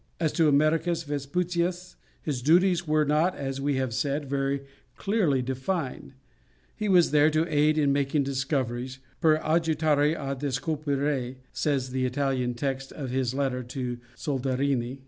As to Americus Vespucius, his duties were not, as we have said, very clearly defined, he was there to aid in making discoveries (per ajutare a discoprire, says the Italian text of his letter to Soderini).